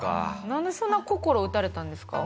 なんでそんな心打たれたんですか？